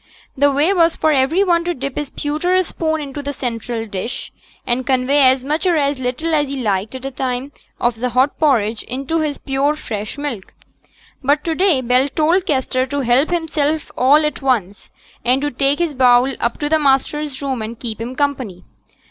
The way was for every one to dip his pewter spoon into the central dish, and convey as much or as little as he liked at a time of the hot porridge into his pure fresh milk. But to day Bell told Kester to help himself all at once, and to take his bowl up to the master's room and keep him company.